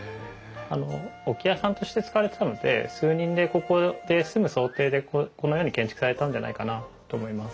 置き屋さんとして使われてたので数人でここで住む想定でこのように建築されたんじゃないかなと思います。